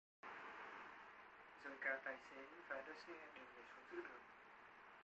Rồi cả tài xế và lơ xe đều nhảy xuống giữa đường